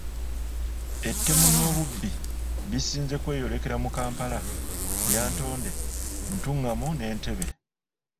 Ettemu n'obubbi bisinze kweyolekera mu Kampala, Lyantonde, Ntungamo ne Entebbe.